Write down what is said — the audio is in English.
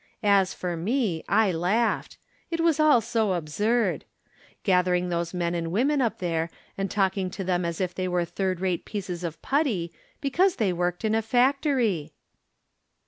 As for me, I laughed ; it was all so absurd ! Gathering those men and women up there and talking to them as if they were third rate pieces of putty, because thej worked in a factory